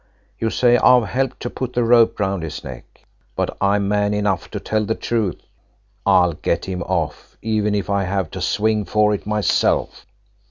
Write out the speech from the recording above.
You say I've helped to put the rope round his neck. But I'm man enough to tell the truth. I'll get him off even if I have to swing for it myself."